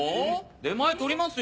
出前取りますよ？